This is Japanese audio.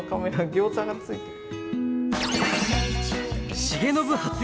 ギョーザがついてる。